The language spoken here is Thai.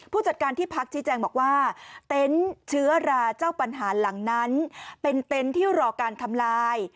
จัดการที่พักชี้แจงบอกว่าเต็นต์เชื้อราเจ้าปัญหาหลังนั้นเป็นเต็นต์ที่รอการทำลาย